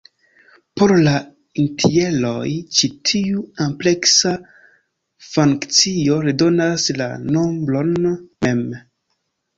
Por la entjeroj, ĉi tiu ampleksa funkcio redonas la nombron mem.